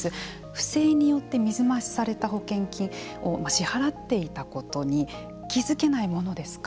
不正によって水増しされた保険金を支払っていたことに気付けないものですか。